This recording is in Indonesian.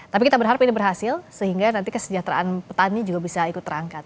tapi kita berharap ini berhasil sehingga nanti kesejahteraan petani juga bisa ikut terangkat